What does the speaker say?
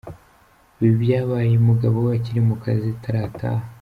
Ibi byabaye umugabo we akiri mu kazi atarataha.